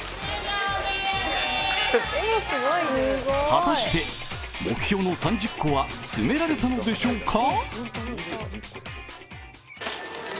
果たして目標の３０個は詰められたのでしょうか？